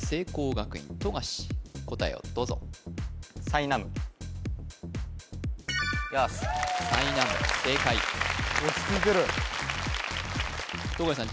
学院富樫答えをどうぞよしさいなむ正解落ち着いてる富樫さん